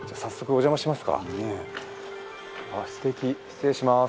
失礼します。